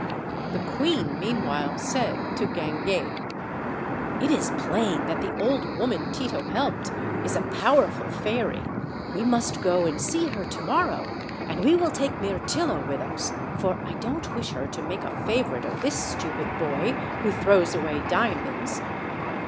The queen meanwhile said to Guinguet: "It is plain that the old woman Tito helped is a pow erful fairy; we must go and see her to morrow, and we will take Mirtillo with us, for I don't wish her to make a favorite of this stupid boy, who throws away diamonds."